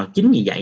chính vì vậy